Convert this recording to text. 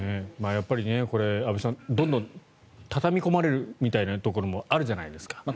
安部さん、どんどん畳み込まれるみたいなところもあるじゃないですか。